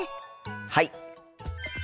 はい！